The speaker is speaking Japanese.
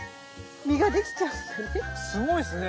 すごいっすね。